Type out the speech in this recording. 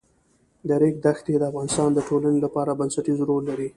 د ریګ دښتې د افغانستان د ټولنې لپاره بنسټيز رول لري.